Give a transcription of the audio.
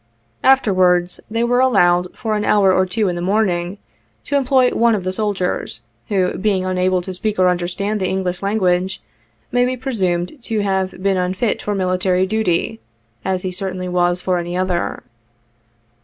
Afterwards, they were allowed, for an hour or two in the morning, to employ one of the soldiers, who, being unable to speak or understand the English language, may be presumed to have been unfit for military duty, as he certainly was for any other.